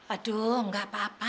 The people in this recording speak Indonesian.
aduh enggak apa apa